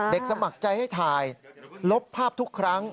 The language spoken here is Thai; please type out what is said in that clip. สมัครใจให้ถ่ายลบภาพทุกครั้ง